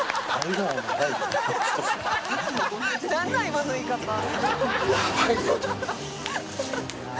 今の言い方